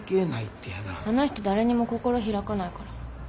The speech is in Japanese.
あの人誰にも心開かないから。